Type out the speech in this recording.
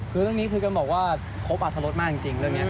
คือเรื่องนี้คือกันบอกว่าครบอัธรสมากจริงเรื่องนี้